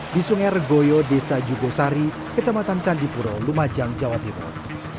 di sungai regoyo desa jugosari kecamatan candipuro lumajang jawa timur